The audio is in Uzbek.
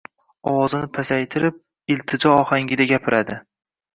Ovozini pasaytirib iltijo ohangida gapiradi